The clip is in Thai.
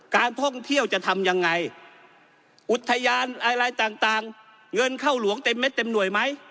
การท่องเที่ยวจะทำยังไงอุทยานอะไรต่างเงินเข้าหลวงเต็มเม็ดเต็มหน่วยไหม